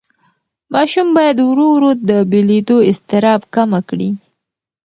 ماشوم باید ورو ورو د بېلېدو اضطراب کمه کړي.